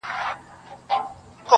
ټولنه ورو ورو بدلېږي لږ-